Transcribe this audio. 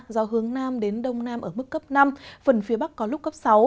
gió hướng nam đến đông nam ở mức cấp năm phần phía bắc có lúc cấp sáu